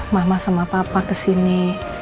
mama sama papa kesini